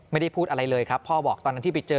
ไม่ได้พูดอะไรเลยครับพ่อบอกตอนนั้นที่ไปเจอ